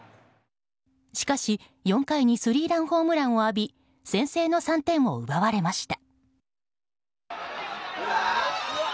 しかし、４回にスリーランホームランを浴び先制の３点を奪われました。